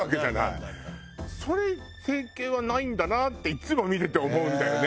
それ整形はないんだなっていつも見てて思うんだよね。